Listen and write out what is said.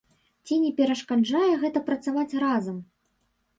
Ці не перашкаджае гэта працаваць разам?